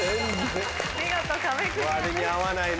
見事壁クリアです。